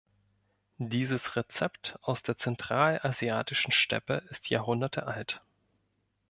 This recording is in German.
Dieses Rezept aus der zentralasiatischen Steppe ist Jahrhunderte alt.